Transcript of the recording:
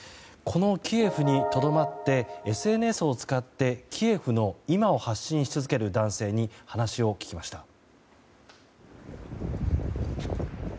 このキエフにとどまってＳＮＳを使ってキエフの今を発信し続ける男性に話を聞きました。